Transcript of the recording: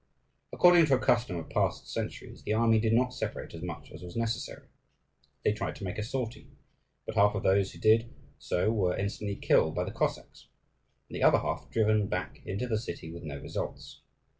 According to a custom of past centuries, the army did not separate as much as was necessary. They tried to make a sortie; but half of those who did so were instantly killed by the Cossacks, and the other half driven back into the city with no results.